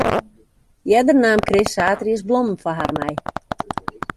Earder naam Chris saterdeis blommen foar har mei.